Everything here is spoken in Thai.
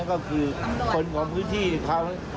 ก็คือคนของพื้นที่เขา